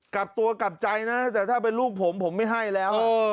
กลับตัวกลับใจนะแต่ถ้าเป็นลูกผมผมไม่ให้แล้ว